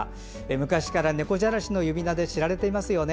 昔から猫じゃらしの名で知られていますよね。